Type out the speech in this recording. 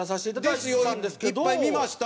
いっぱい見ました。